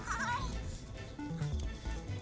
tarik ambil ujungnya